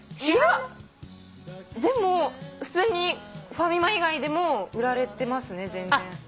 いやでも普通にファミマ以外でも売られてますね全然。